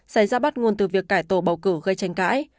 xảy ra bắt nguồn từ việc cải tổ bầu cử gây tranh cãi